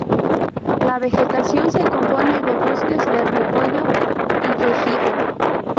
La vegetación se compone de bosques de rebollo y quejigo.